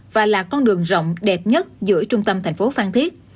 và là con đường rộng đẹp nhất giữa trung tâm thành phố phan thiết